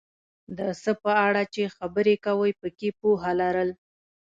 د څه په اړه چې خبرې کوې پکې پوهه لرل،